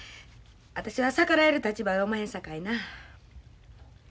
私は逆らえる立場やおまへんさかいな。